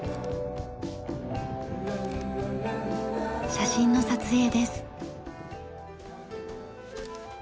写真の撮影です。